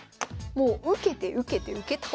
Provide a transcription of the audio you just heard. もう受けて受けて受け倒す。